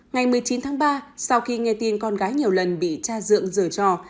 ngày một mươi chín tháng ba sau khi nghe tin con gái nhiều lần bị tra dưỡng dở trò